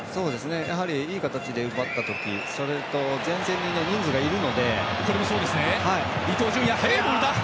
やはり、いい形で奪った時前線にも人数がいるので。